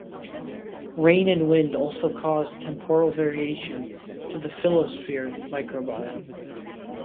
Rain and wind also cause temporal variation to the phyllosphere microbiome.